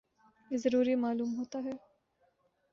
یہ ضروری معلوم ہوتا ہے